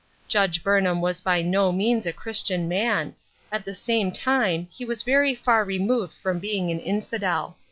Judge Burnham was by no means a Christian man ; at the same time he was very far removed from being an infidel.